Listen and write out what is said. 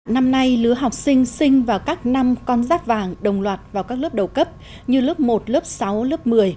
năm nay lứa học sinh sinh vào các năm con giáp vàng đồng loạt vào các lớp đầu cấp như lớp một lớp sáu lớp một mươi